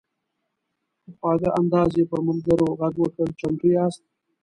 په خواږه انداز یې پر ملګرو غږ وکړ: "چمتو یاست؟"